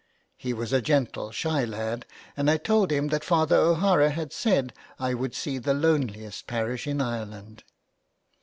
He was a gentle, shy lad, and I told him that Father O'Hara had said I would see the loneliest parish in Ireland.